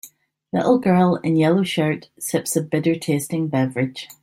Little girl in yellow shirt sips a bitter tasting beverage